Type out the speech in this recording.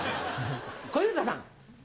小遊三さん。